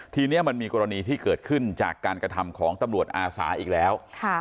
ทีนี้มันมีกรณีที่เกิดขึ้นจากการกระทำของตำรวจอาสาอีกแล้ว